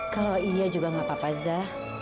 kalau iya juga enggak apa apa za